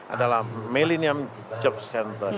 adalah millennial job center